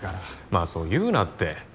まあそう言うなって。